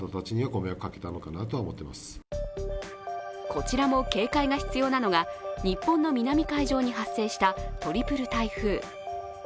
こちらも警戒が必要なのが日本の南海上に発生したトリプル台風。